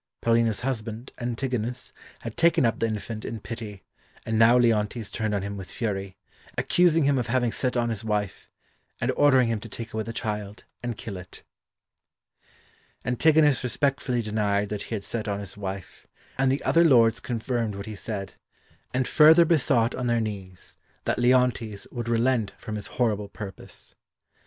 Paulina's husband, Antigonus, had taken up the infant in pity, and now Leontes turned on him with fury, accusing him of having set on his wife, and ordering him to take away the child and kill it. [Illustration: "She commends it to your blessing."] Antigonus respectfully denied that he had set on his wife, and the other lords confirmed what he said, and further besought on their knees that Leontes would relent from his horrible purpose.